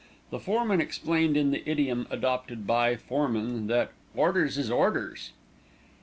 The foreman explained in the idiom adopted by foreman that "orders is orders."